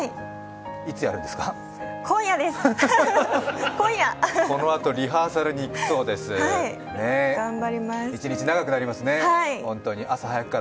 いつやるんですか？